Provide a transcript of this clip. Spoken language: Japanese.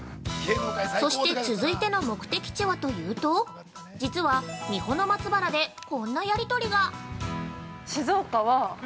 ◆そして続いての目的地はというと実は、三保の松原でこんなやりとりが。